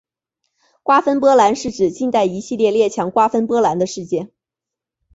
瓜分波兰是指近代一系列列强瓜分波兰的事件。